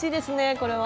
これは。